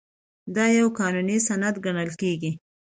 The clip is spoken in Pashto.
دا یو قانوني سند ګڼل کیږي.